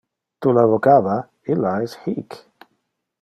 Tu la vocava? Illa es hic!